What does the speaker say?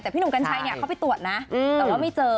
แต่พี่หนุ่มกัญชัยเขาไปตรวจนะแต่ว่าไม่เจอ